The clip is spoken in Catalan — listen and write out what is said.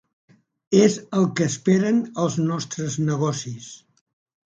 És el que esperen els nostres negocis.